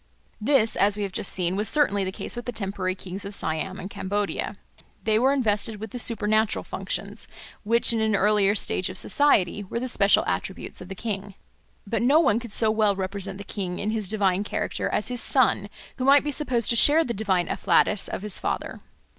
This, as we have just seen, was certainly the case with the temporary kings of Siam and Cambodia; they were invested with the supernatural functions, which in an earlier stage of society were the special attributes of the king. But no one could so well represent the king in his divine character as his son, who might be supposed to share the divine afflatus of his father.